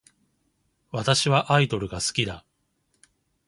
私はアイドルが好きだ